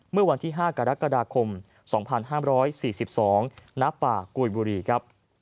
เมื่อวันที่๕กรกฎาคม๒๕๔๒ณป่ากุยบุรีครับ